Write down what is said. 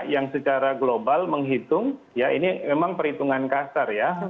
yang secara global menghitung ya ini memang perhitungan kasar ya